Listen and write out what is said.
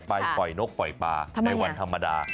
ไปปล่อยนกปล่อยปลาในวันธรรมดา